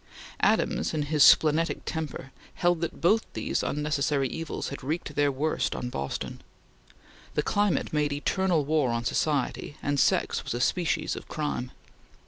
Adams, in his splenetic temper, held that both these unnecessary evils had wreaked their worst on Boston. The climate made eternal war on society, and sex was a species of crime.